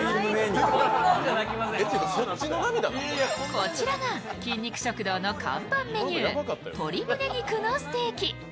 こちらが筋肉食堂の看板メニュー、鶏ムネ肉のステーキ。